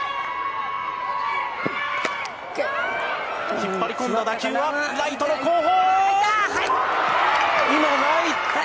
引っ張りこんだ打球ライトの後方！